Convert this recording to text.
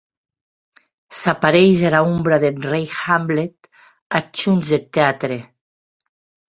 S’apareish era ombra deth rei Hamlet ath hons deth teatre.